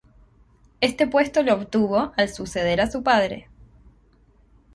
Este puesto lo obtuvo al suceder a su padre.